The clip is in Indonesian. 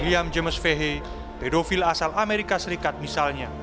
william james fahey pedofil asal amerika serikat misalnya